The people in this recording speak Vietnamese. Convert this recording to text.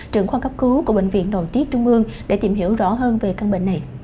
trưởng khoa cấp cứu của bệnh viện nội tiết trung ương để tìm hiểu rõ hơn về căn bệnh này